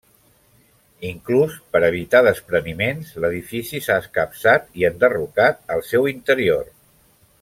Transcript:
Inclús, per evitar despreniments, l'edifici s'ha escapçat i enderrocat el seu interior.